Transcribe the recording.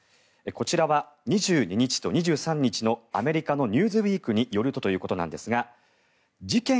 こちらは２２日と２３日のアメリカの「ニューズウィーク」によると事件